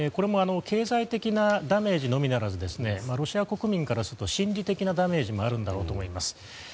経済的なダメージのみならずロシア国民からすると心理的なダメージもあるんだろうと思います。